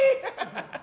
ハハハハ。